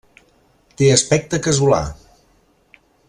Té aspecte casolà.